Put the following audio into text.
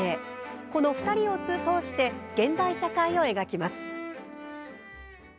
この２人を通して現代社会を描きます。